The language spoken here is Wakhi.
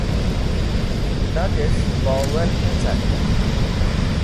Tagẽs̃h bowar ne cart.